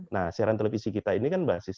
nah siaran televisi kita ini kan bahasa inggris